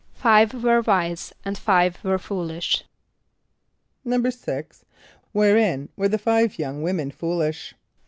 =Five were wise and five were foolish.= =6.= Wherein were the five young women foolish?